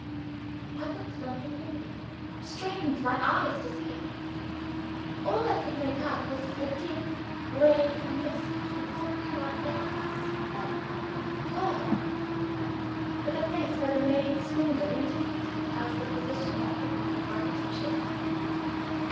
I looked along her finger, and strained my eyes to see. All I could make out was a dim greyish mist, with something like a little spot or blur on it, at the place which the maid's finger indicated as the position occupied by the two ships.